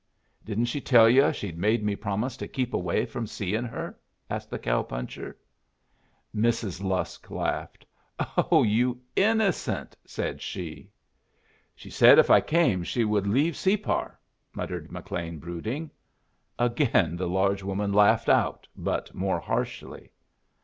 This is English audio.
"Didn't she tell yu' she'd made me promise to keep away from seeing her?" asked the cow puncher. Mrs. Lusk laughed. "Oh, you innocent!" said she. "She said if I came she would leave Separ," muttered McLean, brooding. Again the large woman laughed out, but more harshly.